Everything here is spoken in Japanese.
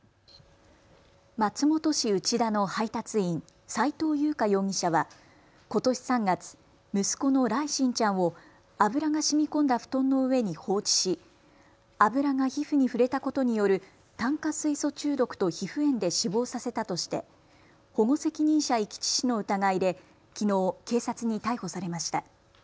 松本市内田の配達員、斉藤優花容疑者はことし３月、息子の來心ちゃんを油がしみこんだ布団の上に放置し油が皮膚に触れたことによる炭化水素中毒と皮膚炎で死亡させたとして保護責任者遺棄致死の疑いできのう警察に逮捕されました。